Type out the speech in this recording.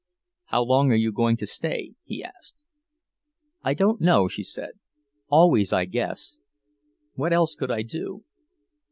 "How long are you going to stay?" he asked. "I don't know," she said. "Always, I guess. What else could I do?"